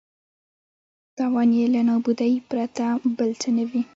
تاوان یې له نابودۍ پرته بل څه نه وي.